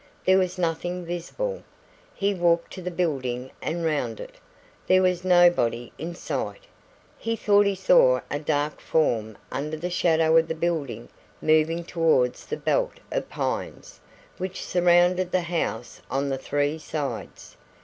There was nothing visible. He walked to the building and round it. There was nobody in sight. He thought he saw a dark form under the shadow of the building moving towards the belt of pines which surrounded the house on the three sides.